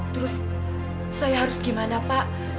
terus saya harus gimana pak